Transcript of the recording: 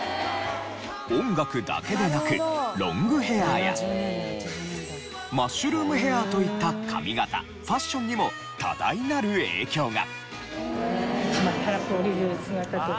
音楽だけでなくロングヘアーやマッシュルームヘアーといった髪形ファッションにも多大なる影響が。